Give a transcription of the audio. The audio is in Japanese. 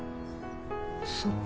そっか。